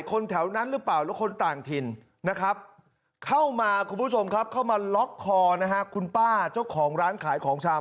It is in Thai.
คนแถวนั้นหรือเปล่า